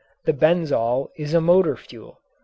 The benzol is a motor fuel.